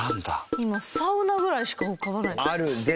今サウナぐらいしか浮かばないです。